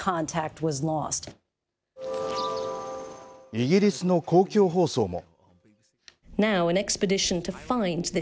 イギリスの公共放送も。